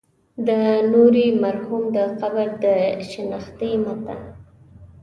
د نوري مرحوم د قبر د شنختې متن.